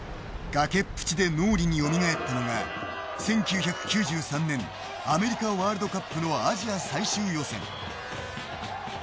崖っぷちで脳裏によみがえったのが１９９３年アメリカワールドカップのアジア最終予選。